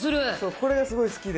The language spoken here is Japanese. これがすごい好きで。